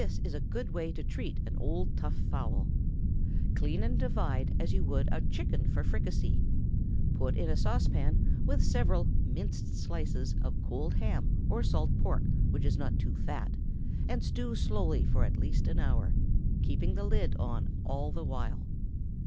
This is a good way to treat an old tough fowl. Clean and divide, as you would a chicken for fricassee. Put in a saucepan, with several (minced) slices of cold ham or salt pork which is not too fat, and stew slowly for at least an hour—keeping the lid on all the while.